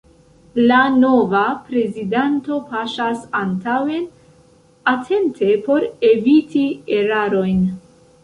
La nova prezidanto paŝas antaŭen atente por eviti erarojn.